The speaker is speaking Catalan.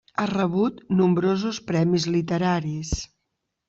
Ha rebut nombrosos premis literaris.